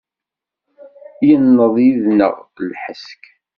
Inneḍ yis-neɣ lḥesk.